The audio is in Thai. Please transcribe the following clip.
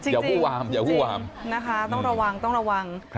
จริงนะคะต้องระวังต้องระวัง